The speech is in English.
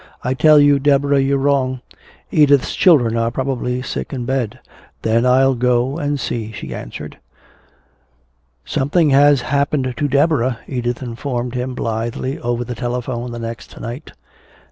"I tell you, Deborah, you're wrong! Edith's children are probably sick in bed!" "Then I'll go and see," she answered. "Something has happened to Deborah," Edith informed him blithely, over the telephone the next night.